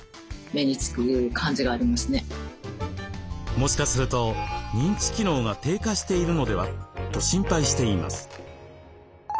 もしかすると認知機能が低下しているのでは？と心配しています。